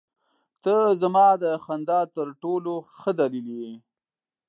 • ته زما د خندا تر ټولو ښه دلیل یې.